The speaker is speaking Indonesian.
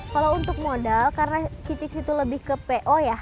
kalau untuk modal karena kicix itu lebih ke po ya